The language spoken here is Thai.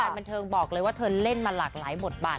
บันเทิงบอกเลยว่าเธอเล่นมาหลากหลายบทบาท